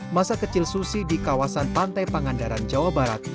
masa kecil susi di kawasan pantai pangandaran jawa barat